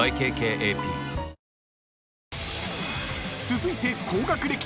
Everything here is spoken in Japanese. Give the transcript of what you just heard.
［続いて］